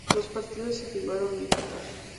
Los partidos se jugaron en Catar.